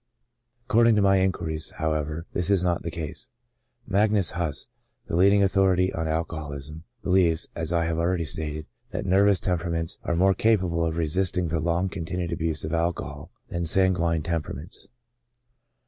According to my inquiries, however, this is not the case. Magnus Huss, the leading authority on alcohoHsm, believes, as I have already stated, that nervous temperaments are more capable of resisting the long continued abuse of alcohol than sanguine tempera ments.